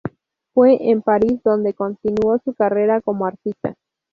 Fue en París donde continuó su carrera como artista.